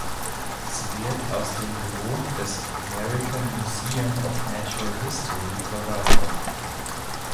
Sie wird aus dem Büro des American Museum of Natural History verwaltet.